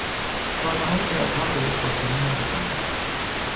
خانههایی که از هم به یک فاصله نبودند